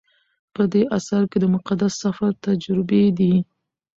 په دې اثر کې د مقدس سفر تجربې دي.